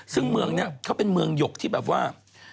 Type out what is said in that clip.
ซึ่งเมืองนี้เขาเป็นเมืองหยกที่แบบว่า